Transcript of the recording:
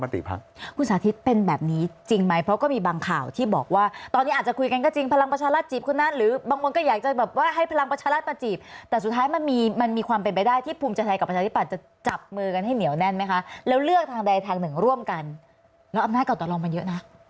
สุดท้ายมันมีความเป็นไปได้ที่ภูมิเจ้าไทยกับประชาธิปัตย์จะจับมือกันให้เหนียวแน่นไหมคะแล้วเลือกทางใดทางหนึ่งร่วมกันแล้วอำนาจเก่าตะลองมันเยอะนะ